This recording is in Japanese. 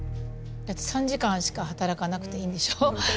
だって３時間しか働かなくていいんでしょ？